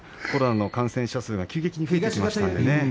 コロナの感染者数が増えてきましたね。